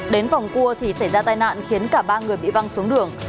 đến vòng cua thì xảy ra tai nạn khiến cả ba người bị văng xuống đường